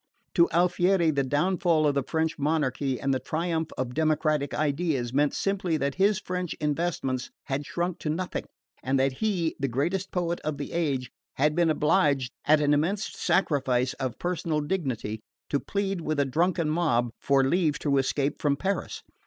To Alfieri the downfall of the French monarchy and the triumph of democratic ideas meant simply that his French investments had shrunk to nothing, and that he, the greatest poet of the age, had been obliged, at an immense sacrifice of personal dignity, to plead with a drunken mob for leave to escape from Paris.